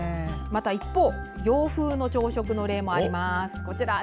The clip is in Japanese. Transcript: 一方、洋風の朝食の例もあります。